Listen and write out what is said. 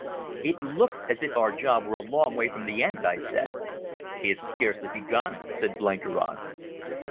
"It looks as if our job were a long way from the end," I said. "It's scarcely begun," said Blenkiron.